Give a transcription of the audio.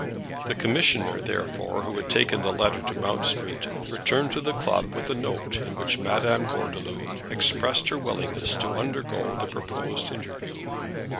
The commissioner, therefore, who had taken the letter to Mount Street, returned to the club with a note in which Madame Gordeloup expressed her willingness to undergo the proposed interview.